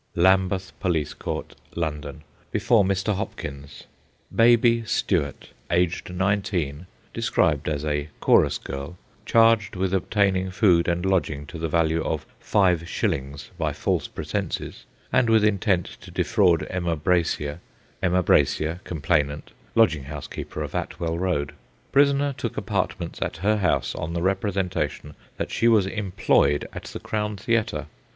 Lambeth Police Court, London. Before Mr. Hopkins. "Baby" Stuart, aged nineteen, described as a chorus girl, charged with obtaining food and lodging to the value of 5s. by false pretences, and with intent to defraud Emma Brasier. Emma Brasier, complainant, lodging house keeper of Atwell Road. Prisoner took apartments at her house on the representation that she was employed at the Crown Theatre.